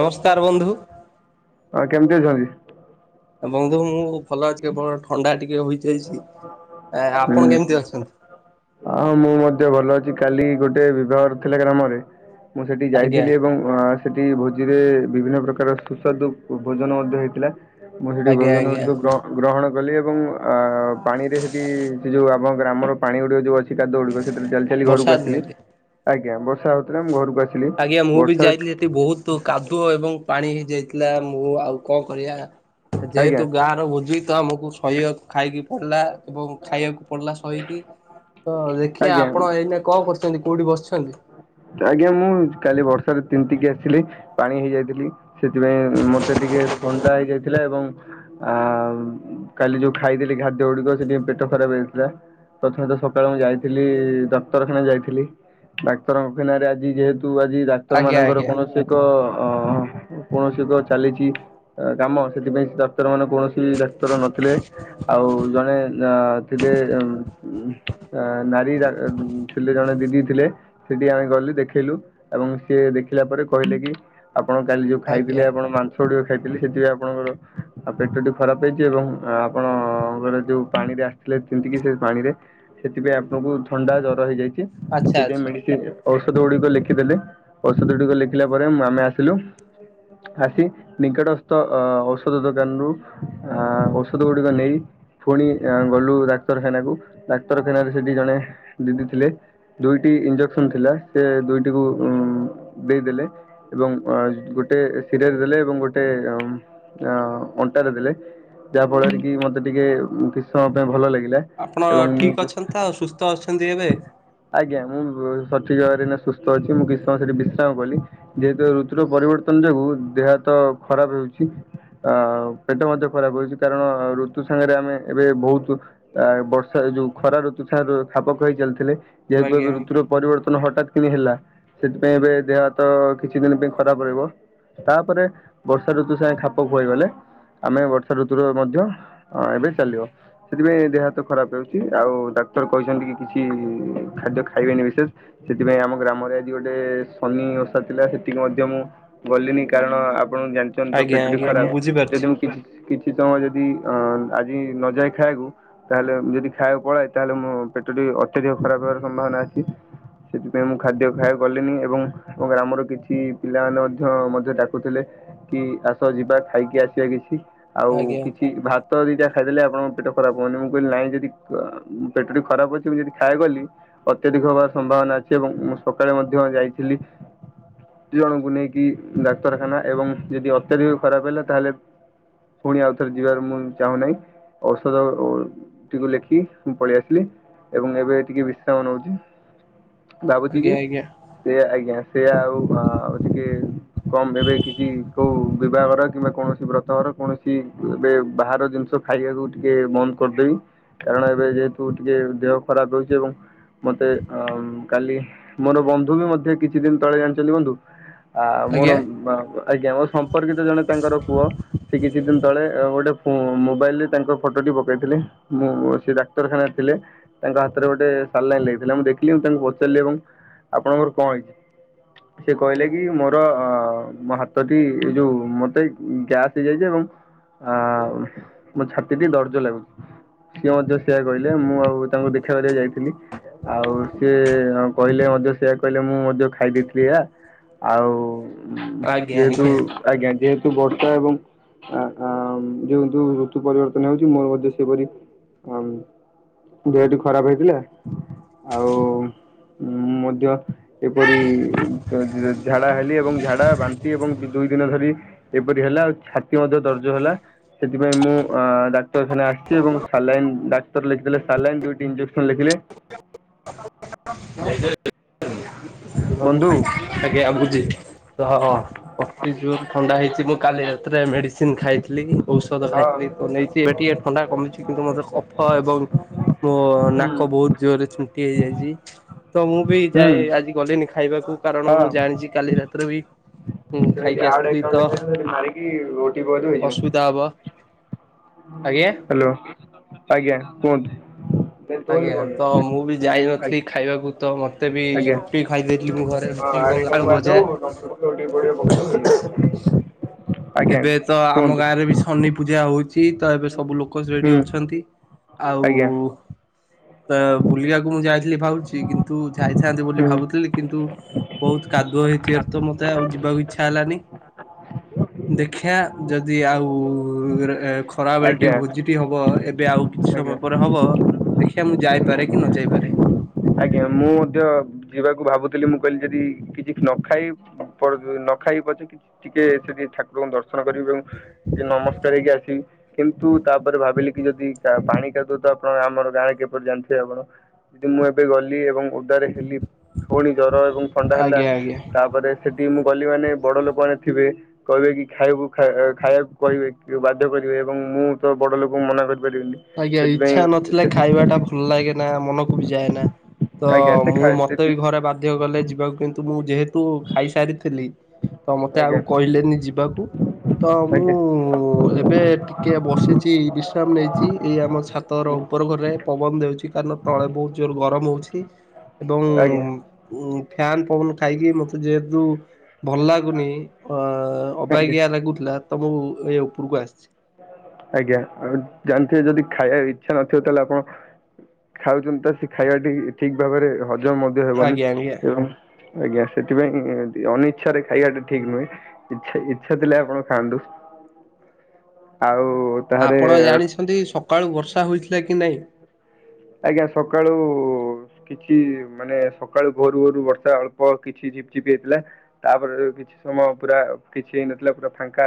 ନମସ୍କାର ବନ୍ଧୁ। ଆ କେମିତି ଅଛନ୍ତି? ବନ୍ଧୁ ମୁଁ ଭଲ ଅଛି, କେବଳ ଥଣ୍ଡା ଟିକେ ହୋଇଯାଇଚି, ଆ ଆପଣ ହୁଁ। କେମିତି ଅଛନ୍ତି? ହଁ ମୁଁ ମଧ୍ୟ ଭଲ ଅଛି, କାଲି ଗୋଟେ ବିବାଘର ଥିଲା ଗ୍ରାମରେ ମୁଁ ସେଠି ଆଜ୍ଞା ଯାଇଥିଲି ଏବଂ [unintelligible] ସେଠି ଭୋଜିରେ ବିଭିନ୍ନ ପ୍ରକାର ସୁସ୍ୱାଦୁ ଭୋଜନ ମଧ୍ୟ ହେଇଥିଲା। ମୁଁ ସେଠି ଆଜ୍ଞା ଭୋଜନ ଆଜ୍ଞା ଗୁଡିକ ଗ୍ରହଣ କଲି ଏବଂ ଅ ପାଣିରେ ହେଠି, ସେ ଯୋଉ ଆମ ଗ୍ରାମର ପାଣି ଗୁଡିକ ଯୋଉ ଅଛି, କାଦୁଅ ଗୁଡିକ, ସେଥିରେ ଚାଲି ଚାଲି ବର୍ଷା ଘରକୁ ଆସିଲି, ଦିନରେ। ଆଜ୍ଞା, ବର୍ଷା ହଉଥିଲା ମୁଁ ଘରୁକୁ ଆସି ଆଜ୍ଞା ମୁଁ ବି ଯାଇଥିଲି ସେଠି ବହୁତ କାଦୁଅ ଏବଂ ପାଣି ହେଇଯାଇଥିଲା, ମୁଁ ଆଉ କଣ କରିବା? ଆଜ୍ଞା ଯେହେତୁ ଗାଁ ର ଭୋଜି ତ, ଆମକୁ ସହିବାକୁ ଖାଇକି ପଡିଲା ଏବଂ ଖାଇବାକୁ ପଡିଲା ସହିକି, ତ ଦେଖିବା ଆଜ୍ଞା ଆପଣ ଏଇନା କଣ କରୁ ଛନ୍ତି, କୋଉଠି ବସିଛନ୍ତି? ଆଜ୍ଞା ମୁଁ କାଲି ବର୍ଷାରେ ତିନ୍ତିକି ଆସିଲି। ପାଣି ହେଇଯାଇଥିଲି, ସେଥିପାଇଁ ମତେ ଟିକେ ଥଣ୍ଡା ହେଇଯାଇଥିଲା ଏବଂ ଆ କାଲି ଯୋଉ ଖାଇଦେଲି ଖାଦ୍ୟ ଗୁଡିକ, ସେଠି ପେଟ ଖରାପ ହେଇଥିଲା। ପ୍ରଥମେ ତ ସକାଳେ ମୁଁ ଯାଇଥିଲି, ଡାକ୍ତରଖାନା ଯାଇଥିଲି। ଡାକ୍ତରଙ୍କଖାନାରେ ଆଜି ଯେହେତୁ ଆଜି ଡାକ୍ତର ଆଜ୍ଞା ମାନଙ୍କର ଆଜ୍ଞା କୌଣସି ଏକ ଅ କୌଣସି ଏକ ଚାଲିଚି କାମ, ସେଥିପାଇଁ ଡାକ୍ତର ମାନଙ୍କୁ କୌଣସି ବି ଡାକ୍ତର ନଥିଲେ, ଆଉ ଜଣେ ଅ ଥିଲେ ନାରୀ ଡ଼ା ଥିଲେ, ଜଣେ ଦିଦି ଥିଲେ ସେଠିକି ଆମେ ଗଲୁ ଦେଖେଇଲୁ ଏବଂ ସିଏ ଦେଖିଲା ପରେ କହିଲେ କି ଆପଣ କାଲି ଯୋଉ ଖାଇଥିଲେ ଆଜ୍ଞା ଆପଣ ମାଂସ ଗୁଡ଼ିିକ ଖାଇଥିଲେ, ସେଥିପାଇଁ ଆପଣଙ୍କର ପେଟଟି ଖରାପ ହେଇଚି ଏବଂ ଆପଣଙ୍କର ଯେଉଁ ପାଣିରେ ଥିଲେ ତିନ୍ତିକି ସେ ପାଣି ରେ, ସେଥିପାଇଁ ଆପଣଙ୍କୁ ଥଣ୍ଡା ଜର ହେଇଯାଇଚି, ଆଚ୍ଛା ସେଥିପାଇଁ ଆଚ୍ଛା। ମେଡ଼ି ଔଷଧ ଗୁଡିକ ଲେଖିଦେଲେ, ଔଷଧ ଗୁଡିକ ଲେଖିଲା ପରେ ଆମେ ଆସିଲୁ ଆସି ନିକଟସ୍ଥ ଅ ଔଷଧ ଦୋକାନରୁୁ ଆ ଔଷଧ ଗୁଡିକ ନେଇ ଫୁଣି ଗଲୁ ଡାକ୍ତରଖାନା କୁ ଡାକ୍ତରଖାନାରେ ସେଠି ଜଣେ ଦିଦି ଥିଲେ ଦୁଇଟି ଇଞ୍ଜେକ୍ସନ୍ ଥିଲା ସେ ଦୁଇଟିକୁ ଉଁ- ଦେଇଦେଲେ। ଏବଂ ଗୋଟେ ଶିରରେ ଦେଲେ ଏବଂ ଗୋଟେ ଅଁ- ଅ -ଅଣ୍ଟାରେ ଦେଲେ। ଯାହା ଫଳରେ କି ମତେ ଟିକେ କିଛି ସମୟ ପାଇଁ ଭଲ ଲାଗିଲା। ଆପଣ ଏବଂ ଠିକ୍ ମୁଁ ଅଛନ୍ତି ତ ଆଉ ସୁସ୍ଥ ଅଛନ୍ତି ଏବେ? ଆଜ୍ଞା ମୁଁ ସଠିକ୍ ଭାବରେ ଏଇନା ସୁସ୍ଥ ଅଛି ମୁଁ କିଛି ସମୟ ସେଠି ବିଶ୍ରାମ କଲି ଯେହେତୁ ଋତୁର ପରିବର୍ତ୍ତନ ଯୋଗୁ ଦେହ ହାତ ଖରାପ୍ ହେଉଚି। ଆ- ପେଟ ମଧ୍ୟ ଖରାପ ହେଉଚି କାରଣ ଋତୁ ସାଙ୍ଗେରେ ଆମେ ଏବେ ବହୁତୁ ଆ- ବର୍ଷା ଯଉ ଖରା ଋତୁ ସାଙ୍ଗେରେ ଖାପ ଖୁଆଇ ଚାଲିଥିଲେ ଯେହେତୁ ଆଜ୍ଞା ଏବେ ଆଜ୍ଞା। ଋତୁର ପରିବର୍ତ୍ତନ [unintelligible] ହଠାତ୍ କିନି ହେଲା ସେଥିପାଇଁ ଏବେ ଦେହ ହାତ କିଛି ଦିନ ପାଇଁ ଖରାପ୍ ରହିବ। ତାପରେ ବର୍ଷା ଋତୁ ସାଙ୍ଗେ ଖାପ ଖୁଆଇ ଗଲେ ଆମେ ବର୍ଷା ଋତୁରେ ମଧ୍ୟ ଅ -ଏବେ ଚାଲିବ। ସେଥିପାଇଁ ଦେହ ହାତ ଖରାପ୍ ହଉଚି ଆଉ ଡାକ୍ତର କହିଚନ୍ତି କି କିଛି ଖାଦ୍ୟ ଖାଇବେନି ବିଶେଷ୍ ସେଥିପାଇଁ ଆମ ଗ୍ରାମରେ ଆଜି ଗୋଟେ ଶନି ଓଷା ଥିଲା ସେଠିକି ମଧ୍ୟ ମୁଁ ଗଲିନି କାରଣ ଆପଣ ଜାଣିଚନ୍ତି ତ ଆଜ୍ଞା ପେଟଟି ଆଜ୍ଞା ମୁଁ ଖରାପ୍ ବୁଝିପାରୁଛି। ଯଦି ମୁଁ କିଛି କିଛି ସମୟ ଯଦି ଅ -ଆଜି ନ ଯାଏ ଖାଇବାକୁ ତାହେଲେ ଯଦି ଖାଇବାକୁ ପଳାଏ ତାହେଲେ ମ ପେଟଟି ଅତ୍ୟଧିକ ଖରାପ୍ ହେବାର ସମ୍ଭାବନା ଅଛି। ସେଥିପାଇଁ ମୁଁ ଖାଦ୍ୟ ଖାଇବାକୁ ଗଲିନି ଏବଂ ଏବଂ ଗ୍ରାମର କିଛି ପିଲାମାନେ ମଧ୍ୟ -ମଧ୍ୟ ଡାକୁଥିଲେ। କି ଆସ ଯିବା ଖାଇକି ଆସିବା କିଛି ଆଉ ଆଜ୍ଞା କିଛି ଭାତ୍ ତ ଦିଟା ଖାଇଦେଲେ ଆପଣଙ୍କ ପେଟ ଖରାପ ହଉନି ମୁଁ କହିଲି ନାଇଁ ଯଦି ଅ ପେଟଟି ଖରାପ୍ ଅଛି ମୁଁ ଯଦି ଖାଇବାକୁ ଗଲି ଅତ୍ୟଧିକ ହବା ସମ୍ଭାବନା ଅଛି ଏବଂ ମୁଁ ସକାଳେ ମଧ୍ୟ ଯାଇଥିଲି ଦି ଜଣଙ୍କୁ ନେଇକି ଡାକ୍ତରଖାନା ଏବଂ ଯଦି ଅତ୍ୟଧିକ ଖରାପ୍ ହେଲା ତାହେଲେ ପୁଣି ଆଉଥରେ ଯିବାର ମୁଁ ଚାହୁଁନାହିଁ। ଔଷଧ ଟିକୁ ଲେଖି ମୁଁ ପଳେଇ ଆସିଲି ଏବଂ ଏବେ ଟିକେ ବିଶ୍ରାମ ନଉଚି। ଭାବୁଚି ଆଜ୍ଞା କି ଆଜ୍ଞା ସେ ଆଜ୍ଞା ସେ ଆଉ ଆଉ ଟିକେ କମ୍ ଏବେ କିଛି କଉ ବିବାହଘର କିମ୍ବା କୌଣସି ବ୍ରତ ଘର କୌଣସି ଏବେ ବାହାର ଜିନିଷ ଖାଇବାକୁ ଟିକେ ବନ୍ଦ୍ କରିଦେବି କାରଣ ଏବେ ଯେହେତୁ ଟିକେ ଦେହ ଖରାପ୍ ରହୁଚି ଏବଂ ମତେ ଆ- କାଲି ମୋର ବନ୍ଧୁ ବି ମଧ୍ୟ କିଛି ଦିନ ତଳେ ଜାଣିଚନ୍ତି ବନ୍ଧୁ ଆ- ମୋର। [unintelligible] ଆଜ୍ଞା ମୋ ସମ୍ପର୍କିତ ଜଣେ ତାଙ୍କର ପୁଅ ସେ କିଛି ଦିନ ତଳେ ଗୋଟେ ମୋବାଇଲ୍ ରେ ତାଙ୍କ ଫଟୋ ଟି ପକେଇଥିଲେ ମୁଁ ସେ ଡାକ୍ତରଖାନାରେ ଥିଲେ ତାଙ୍କ ହାତରେ ଗୋଟେ ସାଲାଇନ୍ ଲାଗଥିଲା ମୁଁ ଦେଖି ମୁଁ ତାଙ୍କୁ ପଚାରିଲି ଏବଂ ଆପଣଙ୍କର କଣ ହେଇଚି ସେ କହିଲେ କି ମୋର ମ ହାତଟି ଏଇ ଯଉ ମତେ ଗ୍ୟାସ୍ ହେଇଯାଇଚି ଏବଂ ଆ- ମୋ ଛାତିଟି ଦରଜ ଲାଗୁଚି। ସିଏ ମଧ୍ୟ ସେଇଆ କହିଲେ ମୁଁ ଆଉ ତାଙ୍କୁ ଦେଖା କରିବାକୁ ଯାଇଥିଲି ଆଉ ସିଏ କହିଲେ ମଧ୍ୟ ସେୟା କହିଲେ ମୁଁ ମଧ୍ୟ ଖାଇଦେଇଥିଲି ଏହା ଆଉ ଆଜ୍ଞା ଯେହେତୁ ଆଜ୍ଞା ଆଜ୍ଞା ଯେହେତୁ ବର୍ଷା ଏବଂ ଆଁ -ଆଁ ଦେଖନ୍ତୁ ଋତୁ ପରିବର୍ତ୍ତନ ହଉଚି ମୋର ମଧ୍ୟ ସେପରି ଦେହଟି ଖରାପ୍ ହେଇଥିଲା ଆଉ ମଧ୍ୟ ଏପରି ଝାଡା ହେଲି ଏବଂ ଝାଡା ବାନ୍ତି ଏବଂ ଦୁଇ ଦିନ ଧରି ଏପରି ହେଲା ଆଉ ଛାତି ମଧ୍ୟ ଦରଜ ହେଲା ସେଥିପାଇଁ ମୁଁ ଅ -ଡାକ୍ତରଖାନା ଆସିଚି ଏବଂ ସାଲାଇନ୍ ଡାକ୍ତର ଲେଖିଦେଲେ ସାଲାଇନ୍ ଦୁଇଟି ଇଞ୍ଜେକ୍ସନ୍ ଲେଖିଲେ [unintelligible] ବନ୍ଧୁ ଆଜ୍ଞା ବୁଝି ତ ହ ଅତି ଜୋର ଥଣ୍ଡା ହେଇଛି ମୁଁ କାଲିରେ ରେ ମେଡିସିନ ଖାଇଥିଲି ଔଷଧ ହଁ ଖାଇଥିଲି ତ ନେଇି ଟିକେ ଥଣ୍ଡା କମିଛି କିନ୍ତୁ ମୋର କଫ ଏବଂ ମୋ ହୁଁ ନାକ ବହୁତ ଜୋରରେ ହେଇଯାଇଛି ତ ମୁଁ ବି ହୁଁ ଯାଏ ଆଜି ଗଲିନି ଖାଇବାକୁ କାରଣ ହଁ ମୁଁ ଜାଣିଛି କାଲି ରାତିରେ ବି ହୁଁ ଖାଇକି ସେଇଠି ଆଡ ଆସିଥିଲି ତ ଏକାଉଣ୍ଟ ଲେଖା ହେଇଚି ମାରିକି ଓଟିିପି ପକେଇ ଦିଅ ହେଇଯିବ ଦବା ଆଜ୍ଞା। ହ୍ୟାଲୋ ଆଜ୍ଞା କୁହନ୍ତୁ? ତୋରି ଆଜ୍ଞା ଫୋନ୍ ତ ରେ ମୁଁ ବି ଯାଇନଥିଲି ଖାଇବାକୁ ତ ମତେ ବି ଆଜ୍ଞା ରୁଟି ଖାଇ ଦେଇଥିଲି ମୁ ଘରେ ହଁ ରୁଟି ଆଡ଼େ ଆକାଉଣ୍ଟ ଆଳୁ ଭଜା ମାରିଦେବୁ ନମ୍ବର ପକେଇ ଓ ଟି ପି ପଡ଼ିବ ପକେଇଦେବୁ ହେଇଗଲା [inaudible] ଆଜ୍ଞା ଏବେ ତ ଆମ କୁହନ୍ତୁ ଗାଁ ରେ ବି ସନି ପୂଜା ହଉଛି ତ ଏବେ ସବୁ ଲୋକ ରେଡି ହୁଁ ଅଛନ୍ତି ଆଉ ଆଜ୍ଞା ବୁଲିବାକୁ ମୁଁ ଯାଇ ଭାବୁଛି କିନ୍ତୁ ଯାଇଥାନ୍ତ ବୋଲି ହୁଁ ଭାବୁଥିଲି କିନ୍ତୁ ବହୁତ କାଦୁଅ ହେଇଥିବ ତ ମତେ ଆଉ ଯିବାକୁ ଇଚ୍ଛା ହେଲାନି [inaudible] ଦେଖିବା ଯଦି ଆଉ ଖରାବେଳେ ଟିକେ ଆଜ୍ଞା ଭୋଜିଟି ହବ ଏବେ ଆଉ କିଛି ଆଜ୍ଞା ସମୟ ପରେ ହବ ଦେଖିବା ମୁଁ ଯାଇପାରେ କି ନ ଯାଇପାରେ ଆଜ୍ଞା ମୁଁ ମଧ୍ୟ ଯିବାକୁ ଭାବୁଥିଲି ମୁଁ କହିଲି ଯଦି କିଛି ନ ଖାଇ ନ ଖାଇ ପଛେ କି ଟିକେ ଙ୍କୁ ଦର୍ଶନ କରିବି ଏବଂ ଟିକେ ନମସ୍କାର ହେଇକି ଆସିବି କିନ୍ତୁ ତାପରେ ଭାବିଲି କି ଯଦି ପାଣି କାଦୁଅ ତ ଆପଣ ଆମର ଗାଁରେ କିପରି ଜାଣିଥିବେ ଆପଣ ଯଦି ମୁଁ ଏବେ ଗଲି ଏବଂ [inaudible] ହେଲି ଫୁଣି ଜର ଏବଂ ଥଣ୍ଡା ହେଲା ଆଜ୍ଞା ଆଜ୍ଞା। ତାପରେ ସେଠି କି ମୁଁ ଗଲି ମାନେ ବଡ ଲୋକ ମାନେ ଥିବେ କହିବେ କି ଖାଇବାକୁ ଖାଇବାକୁ କହିବେ କି ବାଧ୍ୟ କରିବେ ଏବଂ ମୁଁ ତ ବଡ ଲୋକଙ୍କୁ ମନା କରି ପାରିବିନି ଆଜ୍ଞା ଇଚ୍ଛା ସେଥିପାଇଁ ନଥିଲେ ଖାଇବା ସେ ଟା ଭଲ ଲାଗେ ନା ମନକୁ ବି ଯାଏନା ତ ଆଜ୍ଞା ସେ ମୁଁ ଖା- ମତେ ସେଠି ବି ଘରେ ବା ବାଧ୍ୟ କଲେ ଯିବାକୁ କିନ୍ତୁ ମୁଁ ଯେହେତୁ ଖାଇସାରିଥିଲି ତ ମତେ ଆଉ ଆଜ୍ଞା କହିଲେନି ଯିବାକୁ ତ ମୁଁ ଆଜ୍ଞା ମୁଁ ଏବେ ଟିକିଏ ବସିଛି ବିଶ୍ରାମ ନେଇଛି ଏଇ ଆମ ଛାତର ଉପର ଘରେ ପବନ ଦେଉଛି କାରଣ ତଳେ ବହୁତ ଜୋର ଗରମ ହଉଛି ଏବଂ ଆଜ୍ଞା ଫ୍ୟାନ ପବନ ଖାଇକି ମତେ ଯେହେତୁ ଭଲ ଲାଗୁନି ଅ ଆଜ୍ଞା ଅବାଗିଆ ଲାଗୁଥିଲା ତ ମୁଁ ଏ ଉପରକୁ ଆସିଛି ଆଜ୍ଞା ଆ ଜାଣିଥିବେ ଯଦି ଖାଇବାକୁ ଇଚ୍ଛା ନଥିବ ତାହେଲେ ଆପଣ ଖାଉଛନ୍ତି ତ ସେ ଖାଇବା ଟି ଠିକ ଭାବରେ ହଜମ ମଧ୍ୟ ହେବନି ଆଜ୍ଞା ଆଜ୍ଞା। ଏବଂ ଆଜ୍ଞା ସେଥିପାଇଁ ଅନିଇଚ୍ଛାରେ ଖାଇବା ଟା ଠିକ ନୁହେଁ ଇଛା ଇଛା ଥିଲେ ଆପଣ ଖାଆନ୍ତୁ। ଆଉ ତାହେଲେ ଆପଣ ଜାଣିଛନ୍ତି ସକାଳୁ ବର୍ଷା ହୋଇଥିଲା କି ନାହିଁ? ଆଜ୍ଞା ସକାଳୁ କିଛି ମାନେ ସକାଳୁ ଭୋରୁ ଭୋରୁ ବର୍ଷା ଅଳ୍ପ କିଛି ଝିପ ଝିପ ହେଇଥିଲା ତାପରେ କିଛି ସମୟ ପୁରା କିଛି ହେଇନଥିଲା ପୁରା ଫାଙ୍କା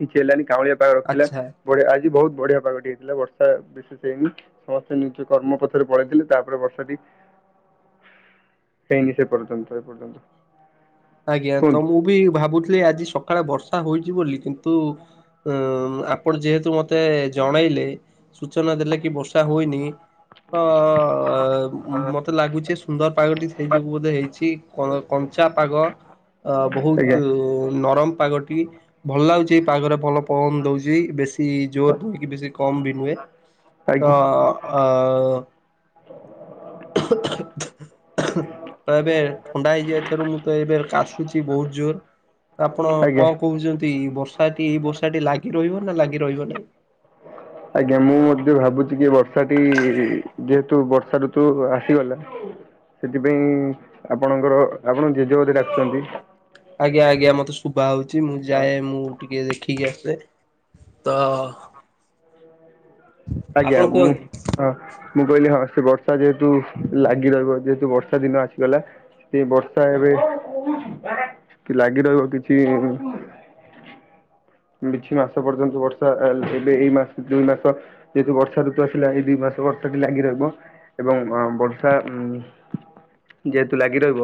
କିଛି ହେଲାନି କାଉଁଳିଆ ପାାଗ ରଖିଥିଲା ଆଚ୍ଛା ବଢିଆ ଆଜି ବହୁତ ବଢିଆ ପାଗଟି ହେଇଥିଲା ବର୍ଷା ବିଶେଷ୍ ହେଇନି। ସମସ୍ତେ ନିଜ କର୍ମ ପଥରେ ପଳେଇଥିଲେ ତାପରେ ବର୍ଷାଟି ହେଇନି ସେ ପର୍ଯ୍ୟନ୍ତ ଏ ପର୍ଯ୍ୟନ୍ତ। ଆଜ୍ଞା। ତ କୁହନ୍ତୁ ମୁଁ ବି ଭାବୁଥିଲି ଆଜି ସକାଳେ ବର୍ଷା ହୋଇଚି ବୋଲି। କିନ୍ତୁ ତୁ ଅଁ ଆପ୍। ଆପଣ ଯେହେତୁ ମତେ ଜଣେଇଲେ ସୂଚନା ଦେଲେ କି ବର୍ଷା ହୋଇନି ତ ଅ ମୋତେ ଲାଗୁଚି ସୁନ୍ଦର ପାଗଟି ସେଇ ଯୋଗୁଁ ବୋଧେ ହେଇଚି କ କଞ୍ଚା ପାଗ। ଅ ଆଜ୍ଞା ବହୁତୁ ନରମ ପାଗଟି ଭଲ ଲାଗୁଚି ଏ ପାଗରେ ଭଲ ପବନ ଦଉଚି ବେଶ୍ ଶି ଜୋର୍ ଠୁ ନୁଁଅ କି ବେଶୀ କମ୍ ବି ନୁହେଁ ତ ଆଜ୍ଞା ତ ଏବେ ଥଣ୍ଡା ହେଇଯାଇଥିରୁ ମୁଁ ତ ଏବେ କାଶୁଚି ବହୁ ଜୋର୍। ତ ଆପଣ ଆଜ୍ଞା କଣ କହୁଚନ୍ତି ବର୍ଷାଟି ଏଇ ବର୍ଷାଟି ଲାଗି ରହିବ ନା ଲାଗି ରହିବନେଇ? ଆଜ୍ଞା, ମୁଁ ମଧ୍ୟ ଭାବୁଚି କି ବର୍ଷାଟି ଯେହେତୁ ବର୍ଷା ଋତୁ ଆସିଗଲା। ସେଥିପାଇଁ ଆପଣଙ୍କର ଆପଣ ଜେଜେ ବୋଧେ ଡାକୁଛନ୍ତି ଆଜ୍ଞା ଆଜ୍ଞା ମତେ ଶୁଭାଯାଉଚି ମୁଁ ଯାଏ ମୁଁ ଟିକେ ଦେଖିକି ଆସେ। ତ ଆଜ୍ଞା ଆପଣ ଆଜ୍ଞା ମୁୁ କୁହନ୍ତୁ ହଁ ମୁଁ କଇଲି ହଁ ସେ ବର୍ଷା ଯେହେତୁ ଲାଗି ରହିବ ଯେହେତୁ ବର୍ଷା ଦିନ ଆସିଗଲା। ସେ ବର୍ଷା ଏବେ କି ଲାଗି ରହିବ କିଛି [unintelligible] ମାସ ପର୍ଯ୍ୟନ୍ତ ବର୍ଷା ଆକା ଏବେ ଏଇ ମାସ ଦୁଇ ମାସ ଯେହେତୁ ବର୍ଷା ଋତୁ ଆସିଲାଣି ଏଇ ଦୁଇ ମାସ ବର୍ଷା ଟି ଲାଗି ରହିବ। ଏବଂ ଗ ବର୍ଷା ଉ ଯେହେତୁ ଲାଗି ରହିବ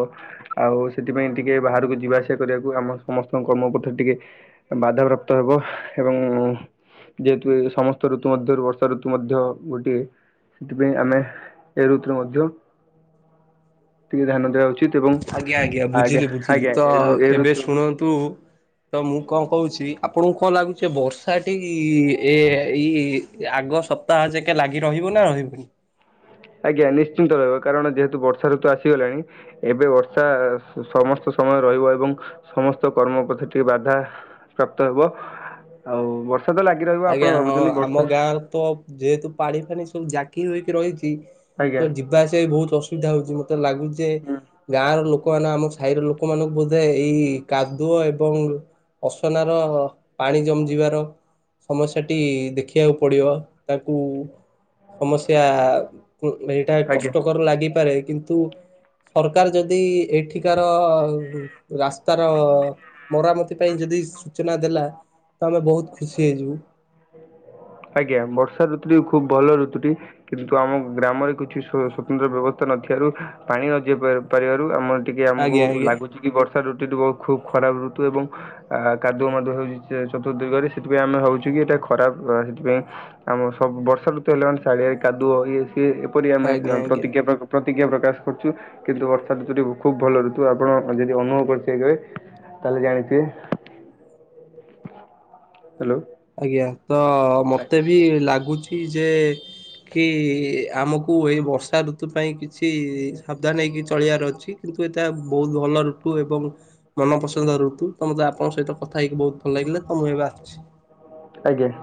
ଆଉ ସେଥିପାଇଁ ଟିକେ ବାହାରକୁ ଯିବା ଆସିବା କରିଆକୁ ଆମ ସମସ୍ତଙ୍କ କର୍ମ ପଥରେ ଟିକେ ବାଧବ୍ୟାପ୍ତ ତ ହେବ। ଏବଂ ଯେହେତୁ ଏ ସମସ୍ତ ଋତୁ ମଧ୍ୟରୁ ବର୍ଷା ଋତୁ ମଧ୍ୟ ଗୋଟିଏ ସେଥିପାଇଁ ଆମେ ଏ ଋତୁରେ ମଧ୍ୟ ଟିକେ ଧ୍ୟାନ ଦବା ଉଚିତ୍। ଆଜ୍ଞା ଆଜ୍ଞା ବୁଝିଲି ବୁଝିଲି ତ ଏ ଋ ଏ ଏବେ ଋତୁ ଶୁଣନ୍ତୁ। ତ ମୁଁ କଣ କହୁଚି ଆପଣଙ୍କୁ କଣ ଲାଗୁଚି ବର୍ଷାଟି ଏ ଏଇ ଆଗ ସପ୍ ପ୍ତାହ ଯାକେ ଲାଗି ରହିବନା ଏମିତ୍ ଆଜ୍ଞା ନିଶ୍ଚିନ୍ତ ରହିବ କାରଣ ଯେହେତୁ ବର୍ଷା ଋତୁ ଆସିଗଲାଣି। ଏବେ ବର୍ଷା ସମସ୍ତ ସମୟ ରହିବ ଏବଂ ସମସ୍ତ କର୍ମ ପ୍ରତି ଟିକେ ବାଧା ପ୍ରାପ୍ତ ହେବ ଆଉ ବର୍ଷା ତ ଲାଗ୍ ଆଜ୍ଞା ହଁ ଆମ ଗାଁରେ ତ ପ୍ ଯେହେତୁ ପାଣି ଫାଣିି ସବୁ ଜାକି ହୋଇକି ରହିଚି ଆଜ୍ଞା ତ ଯିବା ଆସିବା ବହୁତ ଅସୁବିଧା ହଉଚି ମ। ତ ଲାଗୁଚେ ହୁଁ ଗାଁ ର ଲୋକ ମାନେ ଆମସ୍ ସାଇର ଲୋକମାନଙ୍କୁ ବୋଧେ ଏଇ କାଦୁଅ ଏବଂ ଅସନା ର ପାଣି ଜମି ଯିବାର ସମସ୍ୟାଟି ଦେଖିବାକୁ ପଡିବ। ତାଙ୍କୁ ସମସ୍ୟା କୁ ଏଇଟା ଆଜ୍ଞା କଷ୍ଟକର ଲାଗିପାରେ କିନ୍ତୁ ସରକାର୍ ଯଦି ଏଠିକାର ରାସ୍ତାର ମରାମତି ପାଇଁ ଯଦି ସୂଚନା ଦେଲା ତ ଆମେ ବହୁତ୍ ଖୁସି ହେଇଯିବୁ। ଆଜ୍ଞା, ବର୍ଷା ଋତୁଟି ଖୁବ୍ ଭଲ ଋତୁଟି। କିନ୍ତୁ ଆମ ଗ୍ରାମରେ କିଛି ସ୍ୱ ସ୍ୱତନ୍ତ୍ର ବ୍ୟବସ୍ଥା ନଥିବାରୁ ପାଣି ନଯାଇ ପା ପାରିବାରୁ ଆମ ଟିକେ ଆମକୁ ଆଜ୍ଞା ଆଜ୍ଞା ଲାଗୁଚି କି ବର୍ଷା ଋତୁ ଟି ବହୁତ ଖୁବ୍ ଖରାପ ଋତୁ ଏବଂ ଆ କାଦୁଅ ମାଦୁଅ ହଉଚି ଚତ୍ରୁ ଦିଗରେ ସେଥିପାଇଁ ଆମେ ଭାବୁଚୁ କି ଏଇଟା ଖରାପ୍ ସେଥିପାଇଁ ଆମ ସବୁ ବର୍ଷା ଋତୁ ହେଲା ମାନେ ଚାରିଆଡ଼େ ରେ କାଦୁଅ ଇଏ ଏ ଏପରି ଆମେ ଆଜ୍ଞା ଆ ଆଜ୍ଞା ପ୍ରତିଜ୍ଞା ପ୍ରାକୁ ପ୍ରତିକ୍ରିୟା ପ୍ରକାଶ କରୁଛୁ କିନ୍ତୁ ବର୍ଷା ଋତୁରେ ଖୁବ୍ ଭଲ ଋତୁ ଆପଣ ଯଦି ଅନୁଭବ କରିଥିବେ ତାହେଲେ ଜାଣିଥିବେ? [inaudible] ହ୍ୟାଲୋ। ଆଜ୍ଞା ତ ମତେ ବି ଲାଗୁଛି କି ଯେ କି ଆମକୁ ଏଇ ବର୍ଷା ଋ ଋତୁ ପାଇଁ କିଛି ସାବଧାନ ହେଇକି ଚଳିବାର ଅଛି କିନ୍ତୁ ଏତା ବହୁତ ଭଲ ଋତୁ ଏବଂ ମନ ପସନ୍ଦ ଋତୁ ତ ମୋତେ ଆପଣଙ୍କ ସହିତ କଥାହେଇକି ବହୁତ ଭଲ ଲାଗିଲା ତ ମୁଁ ଏବେ ଆସୁଛି। ଆଜ୍ଞା।